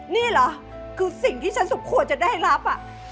นี่เหรอคือสิ่งที่ฉันสมควรจะได้รับ